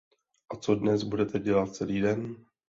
A co dnes budete dělat celý den?